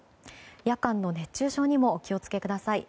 夜間の熱中症にもお気を付けください。